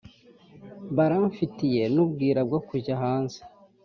baramfitiye n’ubwira bwo kujya hanze